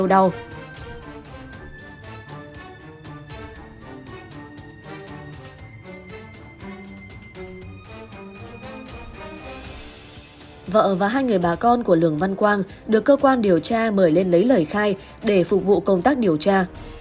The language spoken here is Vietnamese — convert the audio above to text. bà con của lường văn quang được cơ quan điều tra mời lên lấy lời khai để phục vụ công tác điều tra